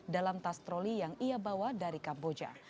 dalam tas troli yang ia bawa dari kamboja